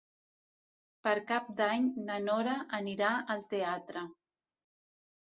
Per Cap d'Any na Nora anirà al teatre.